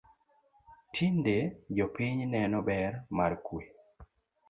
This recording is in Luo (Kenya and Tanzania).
Tinde jopiny neno ber mar kwe